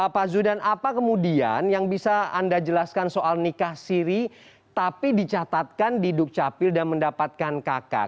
pak zudan apa kemudian yang bisa anda jelaskan soal nikah siri tapi dicatatkan di dukcapil dan mendapatkan kakak